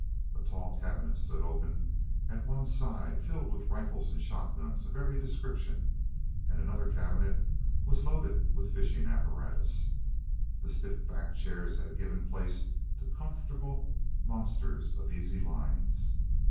A tall cabinet stood open at one side filled with rifles and shotguns of every description, and another cabinet was loaded with fishing apparatus. The stiff backed chairs had given place to comfortable monsters of easy lines.